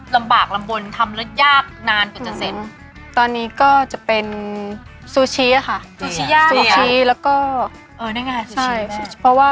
ลำบากลำบลทำแล้วยากนานกว่าจะเสร็จตอนนี้ก็จะเป็นสูชิอ่ะคะสูชิยากเหรอสูชิแล้วก็